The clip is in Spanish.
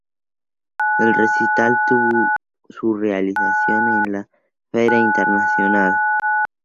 El recital tuvo su realización en la Feria Internacional.